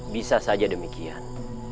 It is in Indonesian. bisa saja demikian